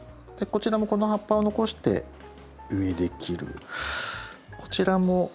こちらもこの葉っぱを残して上で切る。